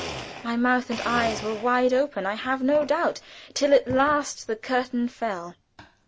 _" My mouth and eyes were wide open, I have no doubt, till at last the curtain fell.